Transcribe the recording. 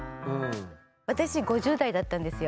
私５０代だったんですよ。